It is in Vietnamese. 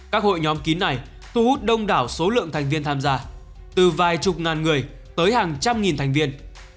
các hội nhóm kín này thu hút đông đảo số lượng thành viên tham gia từ vài chục ngàn người tới hàng trăm nghìn thành viên